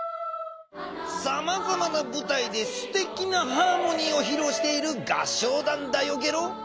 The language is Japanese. さまざまなぶたいですてきなハーモニーをひろうしている合唱団だよゲロ。